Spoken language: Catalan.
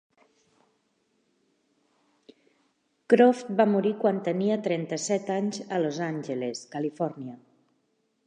Croft va morir quan tenia trenta-set anys a Los Angeles, Califòrnia.